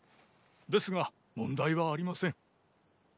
ですが問題はありません。